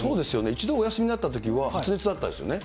一度お休みになったときは、発熱だったですよね。